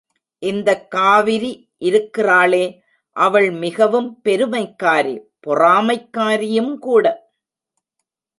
இந்தக் காவிரி இருக்கிறாளே, அவள் மிகவும் பெருமைக்காரி, பொறாமைக் காரியும் கூட.